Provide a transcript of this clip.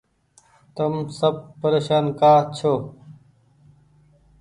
تم سب پريشان ڪآ ڇو۔